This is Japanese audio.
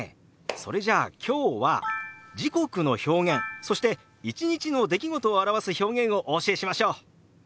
それじゃあ今日は時刻の表現そして１日の出来事を表す表現をお教えしましょう！